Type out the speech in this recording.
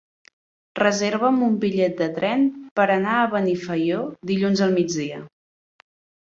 Reserva'm un bitllet de tren per anar a Benifaió dilluns al migdia.